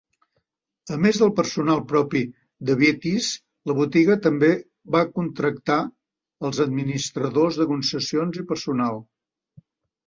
A més del personal propi de Beatties, la botiga també va contractava els administradors de concessions i personal.